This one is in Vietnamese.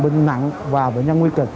bệnh nặng và bệnh nhân nguy kịch